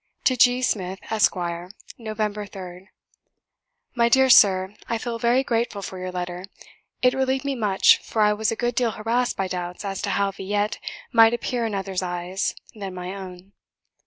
To G. SMITH, ESQ. "Nov. 3rd. "My dear Sir, I feel very grateful for your letter; it relieved me much, for I was a good deal harassed by doubts as to how 'Villette' might appear in other eyes than my own.